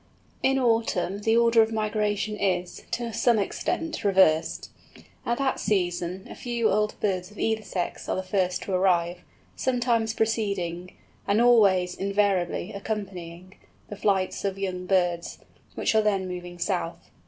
In autumn the order of migration is, to some extent, reversed. At that season a few old birds of either sex are the first to arrive, sometimes preceding, and always invariably accompanying, the flights of young birds, which are then moving south.